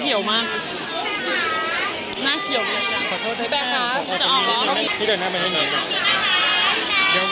หน้าเกี่ยว